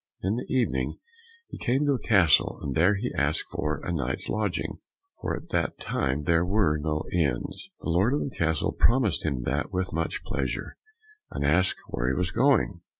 In the evening he came to a castle, and there he asked for a night's lodging, for at that time there were no inns. The lord of the castle promised him that with much pleasure, and asked where he was going?